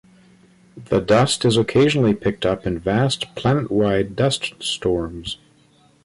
The dust is occasionally picked up in vast planet-wide dust storms.